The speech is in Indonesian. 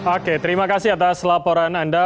oke terima kasih atas laporan anda